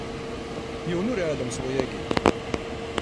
Yiwen ur iɛellem s wayagi!